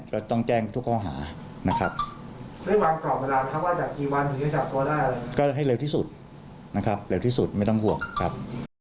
ก็ให้เร็วที่สุดเร็วที่สุดไม่ต้องห่วงครับ